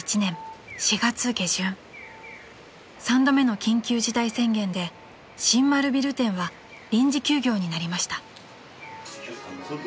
［３度目の緊急事態宣言で新丸ビル店は臨時休業になりました］